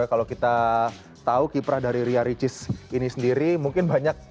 kalau kita tahu kiprah dari ria ricis ini sendiri mungkin banyak